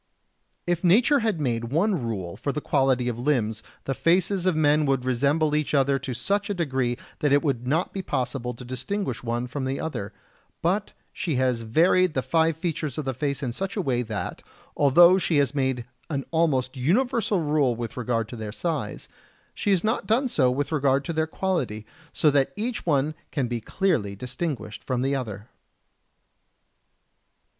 60. If nature had made one rule for the quality of limbs, the faces of men would resemble each other to such a degree that it would not be possible to distinguish one from the other; but she has varied the five features of the face in such a way that, although she has made an almost universal rule with regard to their size, she has not done so with regard to their quality, so that each one can be clearly distinguished from the other.